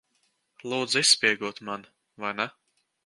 Lūdza izspiegot mani, vai ne?